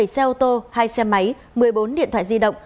bảy xe ô tô hai xe máy một mươi bốn điện thoại di động